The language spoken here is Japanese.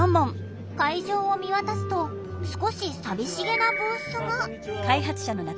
会場を見渡すと少し寂しげなブースが。